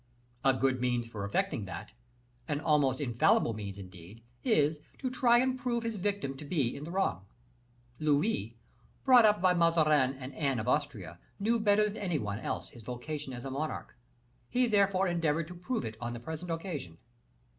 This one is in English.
A good means for effecting that an almost infallible means, indeed is, to try and prove his victim to be in the wrong. Louis, brought up by Mazarin and Anne of Austria, knew better than any one else his vocation as a monarch; he therefore endeavored to prove it on the present occasion.